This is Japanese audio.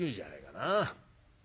なあ。